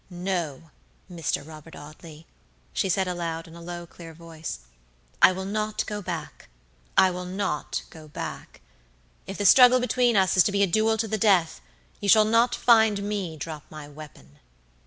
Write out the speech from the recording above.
"No! Mr. Robert Audley," she said, aloud, in a low, clear voice; "I will not go backI will not go back. If the struggle between us is to be a duel to the death, you shall not find me drop my weapon."